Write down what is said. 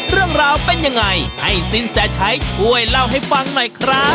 เรื่องราวเป็นยังไงให้สินแสชัยช่วยเล่าให้ฟังหน่อยครับ